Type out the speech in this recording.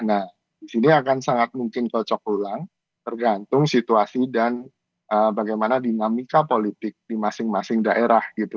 nah disini akan sangat mungkin cocok ulang tergantung situasi dan bagaimana dinamika politik di masing masing daerah gitu